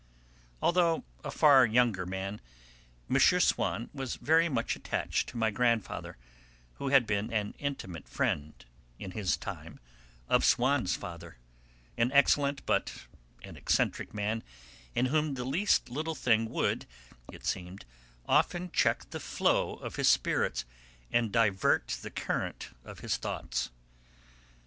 Although a far younger man, M. Swann was very much attached to my grandfather, who had been an intimate friend, in his time, of Swann's father, an excellent but an eccentric man in whom the least little thing would, it seemed, often check the flow of his spirits and divert the current of his thoughts.